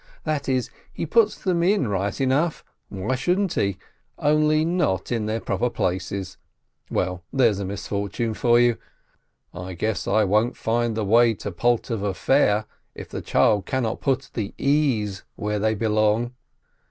That is, he puts them in right enough, why shouldn't he? only not in their proper places. Well, there's a misfortune for you! I guess I won't find the way to Poltava fair if the child cannot put the e's where they belong